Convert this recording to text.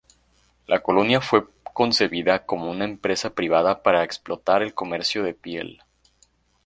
La colonia fue concebida como una empresa privada para explotar el comercio de piel.